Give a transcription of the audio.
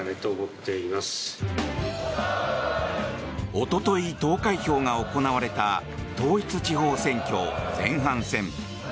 おととい投開票が行われた統一地方選挙前半戦。